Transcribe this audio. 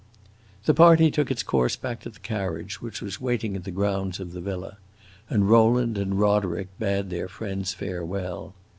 The party took its course back to the carriage, which was waiting in the grounds of the villa, and Rowland and Roderick bade their friends farewell.